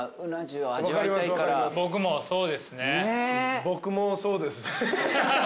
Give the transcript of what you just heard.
僕もそうです。